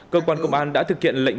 cơ quan công an đã thực hiện lệnh